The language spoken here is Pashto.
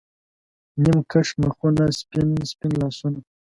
نیم کښ مخونه، سپین، سپین لاسونه